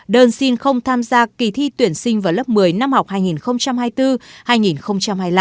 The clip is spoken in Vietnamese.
đơn xin không tham gia kỳ thi tuyển sinh vào lớp một mươi năm học hai nghìn hai mươi bốn hai nghìn hai mươi năm